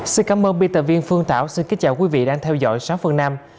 xin cảm ơn biên tập viên phương thảo xin kính chào quý vị đang theo dõi sáu phương nam